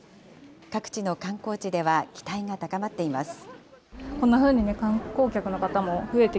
各地の観光地では期待が高まっています。